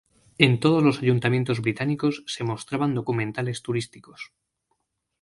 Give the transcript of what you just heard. En todos los ayuntamientos británicos se mostraban documentales turísticos.